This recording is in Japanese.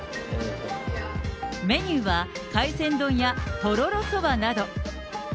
メニューは、海鮮丼やとろろそばなど。